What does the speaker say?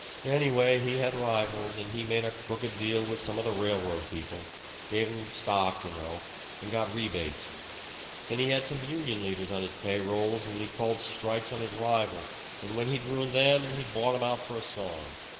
Anyway, he had rivals, and he made a crooked deal with some of the railroad people gave them stock you know and got rebates. And he had some union leaders on his pay rolls, and he called strikes on his rivals, and when he'd ruined them he bought them out for a song.